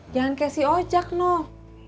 jangan kayak si ojak noh